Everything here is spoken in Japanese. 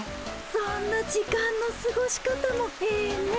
そんな時間のすごし方もええねえ。